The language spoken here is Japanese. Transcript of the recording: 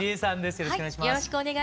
よろしくお願いします。